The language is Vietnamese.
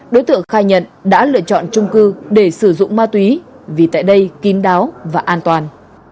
đối tượng khai nhận đã lựa chọn trung cư để sử dụng ma túy vì tại đây kín đáo và an toàn